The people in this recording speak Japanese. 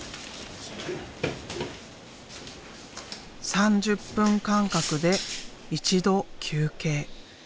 ３０分間隔で一度休憩。